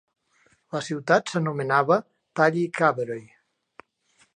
La ciutat s'anomenava Tally Cavey.